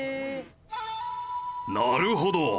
なるほど。